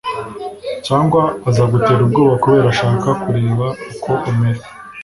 cyangwa azagutera ubwoba kubera ashaka kureba uko umera